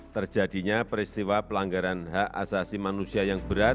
terjadinya peristiwa pelanggaran hak asasi manusia yang berat